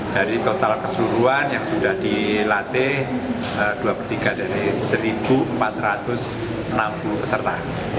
jadi total keseluruhan yang sudah dilatih dua per tiga dari satu empat ratus enam puluh peserta